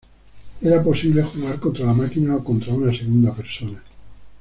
Era posible jugar contra la máquina o contra una segunda persona.